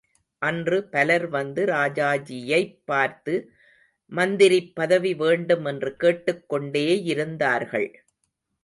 அன்று பலர் வந்து ராஜாஜியைப் பார்த்து மந்திரிப் பதவி வேண்டும் என்று கேட்டுக் கொண்டேயிருந்தார்கள்.